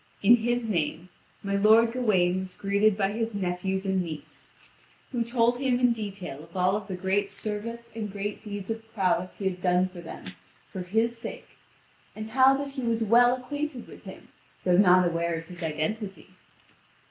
In his name, my lord Gawain was greeted by his nephews and niece, who told him in detail of all the great service and great deeds of prowess he had done for them for his sake, and how that he was well acquainted with him, though not aware of his identity.